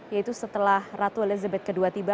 yaitu setelah ratu elizabeth ii tiba